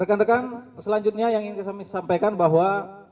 rekan rekan selanjutnya yang ingin saya sampaikan bahwa